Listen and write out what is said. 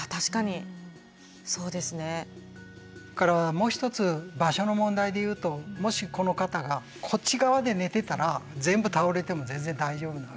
もう一つ場所の問題で言うともしこの方がこっち側で寝てたら全部倒れても全然大丈夫なわけですよね。